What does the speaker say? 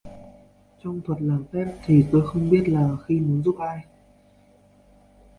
Trong thuật làm phép thì tôi biết là khi muốn giúp ai